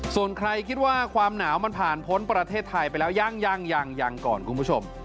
ส่วนใครคิดว่าความหนาวมันผ่านพ้นประเทศไทยไปแล้วยังยังก่อนคุณผู้ชม